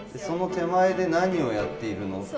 その手前で何をやっているの？